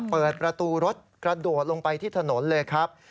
เปิดประตูรถกระโดดลงไปที่ถนนเลยครับ